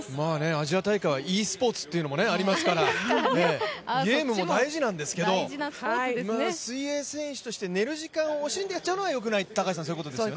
アジア大会はｅスポーツというのもありますから、ゲームも大事なんですが、水泳選手として寝る時間を惜しんでやっちゃうのはよくないということですよね。